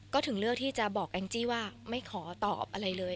ก็ถึงเลือกที่จะบอกแองจี้ว่าไม่ขอตอบอะไรเลย